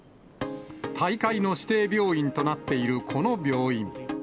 大会の指定病院となっているこの病院。